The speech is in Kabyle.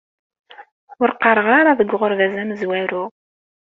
Ur qqareɣ ara deg uɣerbaz amezwaru.